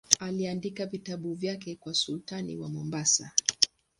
Aliandika vitabu vyake kwa sultani wa Mombasa.